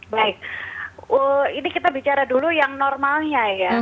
baik ini kita bicara dulu yang normalnya ya